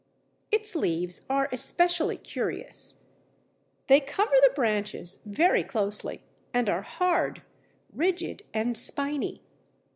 Its leaves are especially curious: they cover the branches very closely, and are hard, rigid, and spiny.